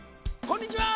こんにちは！